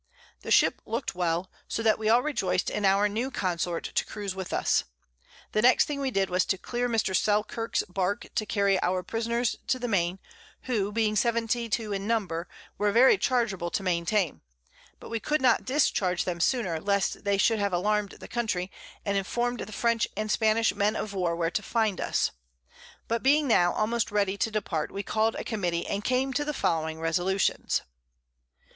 The Ship look'd well, so that we all rejoic'd in our new Consort to cruize with us. The next thing we did was to clear Mr. Selkirk's Bark to carry our Prisoners to the Main, who being 72 in Number, were very chargeable to maintain; but we could not discharge them sooner, lest they should have allarm'd the Country, and inform'd the French and Spanish Men of War where to find us. But being now almost ready to depart, we call'd a Committee, and came to the following Resolutions.